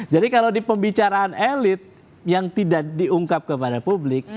jadi kalau di pembicaraan elit yang tidak diungkap kepada publik